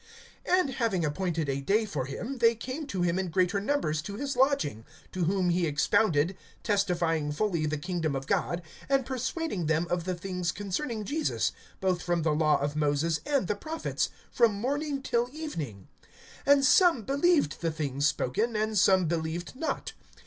(23)And having appointed a day for him, they came to him in greater numbers to his lodging; to whom he expounded, testifying fully the kingdom of God, and persuading them of the things concerning Jesus, both from the law of Moses and the prophets, from morning till evening. (24)And some believed the things spoken, and some believed not.